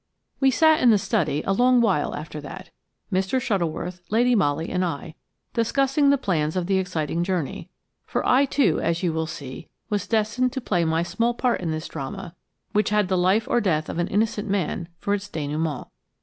2 WE sat in the study a long while after that–Mr. Shuttleworth, Lady Molly and I–discussing the plans of the exciting journey; for I, too, as you will see, was destined to play my small part in this drama which had the life or death of an innocent man for its dénouement.